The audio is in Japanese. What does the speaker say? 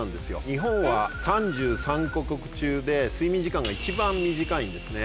日本は３３か国中で睡眠時間が一番短いんですね。